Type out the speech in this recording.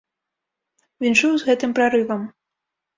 Віншую з гэтым прарывам.